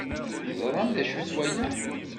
Teẓram d acu-t waya?